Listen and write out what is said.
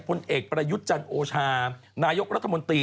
พลเอกประยุจันทร์โอชานายกรัฐมนตร์ตี